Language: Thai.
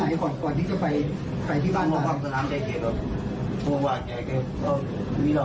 แล้วก็กลิ่นกลับกันหรอ